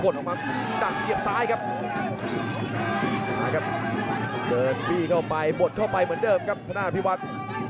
เดินไปหมดเข้าไปเหมือนเดิมครับคุณอภิวัตร